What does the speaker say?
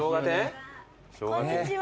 こんにちは。